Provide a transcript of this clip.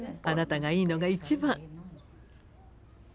あなたがいいのが一番。